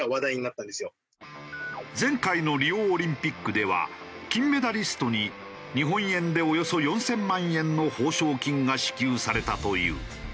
前回のリオオリンピックでは金メダリストに日本円でおよそ４０００万円の報奨金が支給されたという。